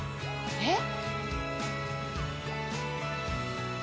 えっ？